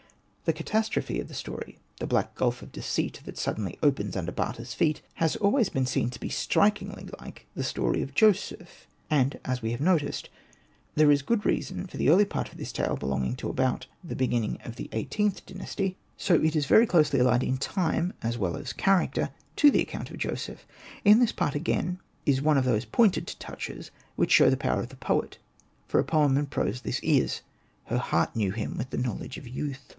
The catastrophe of the story — the black gulf of deceit that suddenly opens under Bata's feet — has always been seen to be strikingly like the story of Joseph. And — as we have noticed — there is good reason for the early part of this tale belonging to about the beginning of the XVIIIth Dynasty, so it Hosted by Google 72 ANPU AND BATA is very closely allied in time as well as character to the account of Joseph. In this part again is one of those pointed touches, which show the power of the poet — for a poem in prose this is —'' her heart knew him with the knowledge of youth."